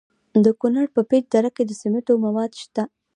د کونړ په پیچ دره کې د سمنټو مواد شته.